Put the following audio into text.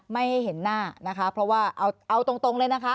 ไม่ให้เห็นหน้านะคะเพราะว่าเอาตรงเลยนะคะ